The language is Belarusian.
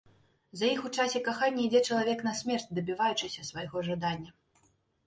За іх у часе кахання ідзе чалавек на смерць, дабіваючыся свайго жадання.